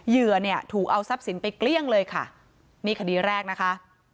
เหยื่อเนี่ยถูกเอาทรัพย์สินไปเกลี้ยงเลยค่ะนี่คดีแรกนะคะ